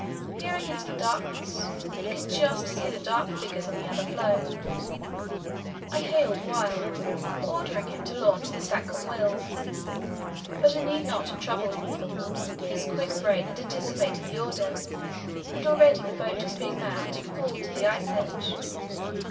Peering into the darkness; I could just see the dark figures on the other floe. I hailed Wild, ordering him to launch the Stancomb Wills, but I need not have troubled. His quick brain had anticipated the order and already the boat was being manned and hauled to the ice edge.